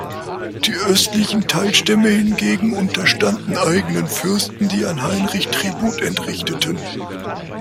Die östlichen Teilstämme hingegen unterstanden eigenen Fürsten, die an Heinrich Tribut entrichteten.